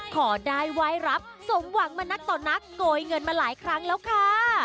ขอได้ไหว้รับสมหวังมานักต่อนักโกยเงินมาหลายครั้งแล้วค่ะ